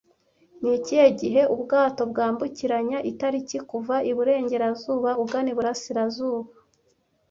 Ni ikihe gihe ubwato bwambukiranya Itariki kuva iburengerazuba ugana iburasirazuba